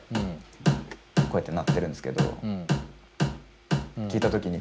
こうやって鳴ってるんですけど。